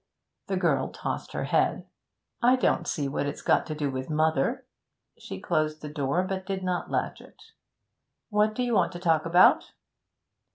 The girl tossed her head. 'I don't see what it's got to do with mother.' She closed the door, but did not latch it. 'What do you want to talk about?'